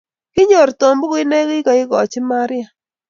Kinyor Tom bukuit ne kikaikoch Maria